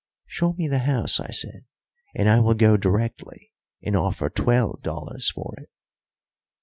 "Show me the house," I said, "and I will go directly and offer twelve dollars for it."